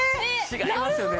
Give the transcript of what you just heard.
違いますよね。